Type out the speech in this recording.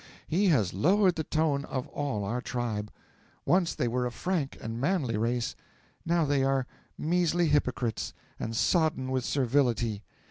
He has lowered the tone of all our tribe. Once they were a frank and manly race, now they are measly hypocrites, and sodden with servility.